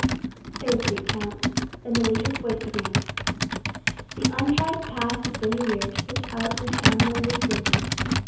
There was a deep silence. Then the leader's voice began: "The untried paths of the new year stretch out into unknown distances.